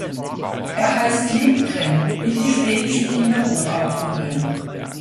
Er heißt Lindgren, wie die schwedische Kinderbuchautorin.